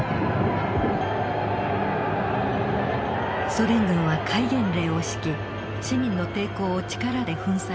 ソ連軍は戒厳令を敷き市民の抵抗を力で粉砕しました。